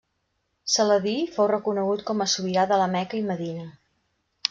Saladí fou reconegut com a sobirà a la Meca i Medina.